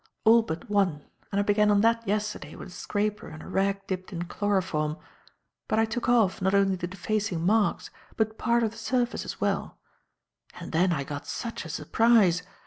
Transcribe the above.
All but one; and I began on that yesterday with a scraper and a rag dipped in chloroform. But I took off, not only the defacing marks but part of the surface as well; and then I got such a surprise!